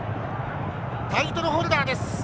タイトルホルダーです。